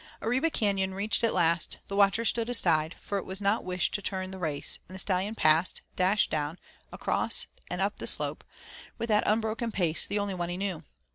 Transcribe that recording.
Arriba Canon reached at last, the watcher stood aside, for it was not wished to turn the race, and the Stallion passed dashed down, across and up the slope, with that unbroken pace, the only one he knew.